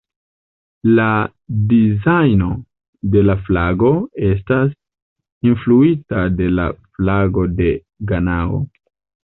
La dizajno de la flago estas influita de la flago de Ganao.